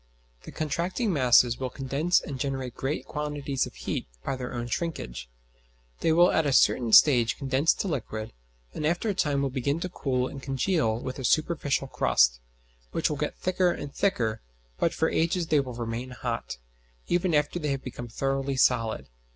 The contracting masses will condense and generate great quantities of heat by their own shrinkage; they will at a certain stage condense to liquid, and after a time will begin to cool and congeal with a superficial crust, which will get thicker and thicker; but for ages they will remain hot, even after they have become thoroughly solid.